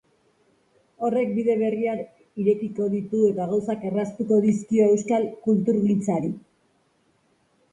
Horrek bide berriak irekiko ditu eta gauzak erraztuko dizkio euskal kulturgintzari.